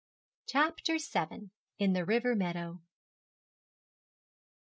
CHAPTER VII. IN THE RIVER MEADOW.